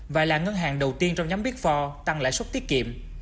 và là ngân hàng đầu tiên trong nhóm big bốn tăng lại suất tiết kiệm